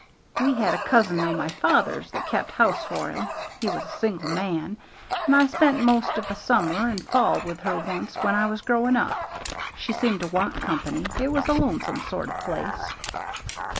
We had a cousin o' my father's that kept house for him (he was a single man), and I spent most of a summer and fall with her once when I was growing up. She seemed to want company: it was a lonesome sort of a place."